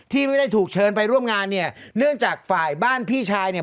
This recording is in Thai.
ที่ไม่ได้ถูกเชิญไปร่วมงานเนี่ยเนื่องจากฝ่ายบ้านพี่ชายเนี่ย